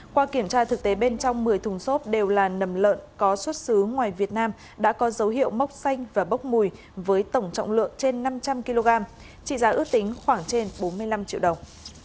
qua kiểm tra thực tế bên trong một mươi thùng xốp đều là nầm lợn có xuất xứ ngoài việt nam đã có dấu hiệu mốc xanh và bốc mùi với tổng trọng lượng trên năm trăm linh kg trị giá ước tính khoảng trên bốn mươi năm triệu đồng